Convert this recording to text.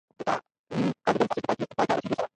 د تعليمي کال د بل فصل په پای ته رسېدو سره،